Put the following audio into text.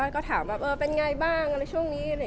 ก็ถามว่าเป็นยังไงบ้างช่วงนี้